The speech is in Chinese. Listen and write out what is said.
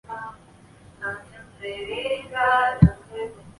以利亚撒的儿子非尼哈在约书亚记中再次出现。